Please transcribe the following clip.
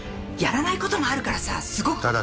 やらない事もあるからさすごく。